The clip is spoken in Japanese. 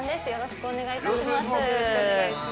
よろしくお願いします。